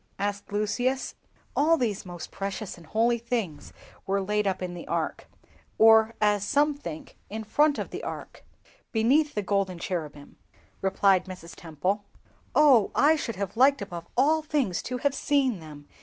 asked Lucius. "All these most precious and holy things were laid up in the Ark (or as some think in front of the Ark), beneath the golden cherubim," replied Mrs. Temple. "Oh, I should have liked above all things to have seen them!"